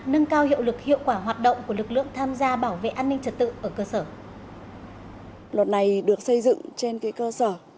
nâng cao hiệu lực hiệu quả hoạt động của lực lượng tham gia bảo vệ an ninh trật tự ở cơ sở